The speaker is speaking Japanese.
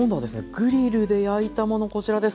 グリルで焼いたものこちらです。